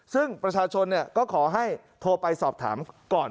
ซึ่งประชาชนก็ขอให้โทรไปสอบถามก่อน